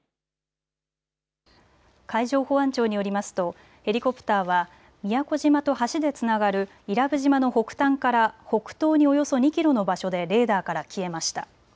海上保安庁によりますとヘリコプターは宮古島と橋でつながる伊良部島の北端から北東におよそ２キロの場所でレーダーから消えました。